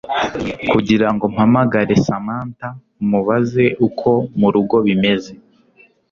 kugira ngo mpamagare Samantha mubaze uko murugo bimeze